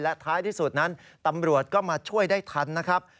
และท้ายที่สุดนั้นตำรวจก็มาช่วยได้ทันนะครับ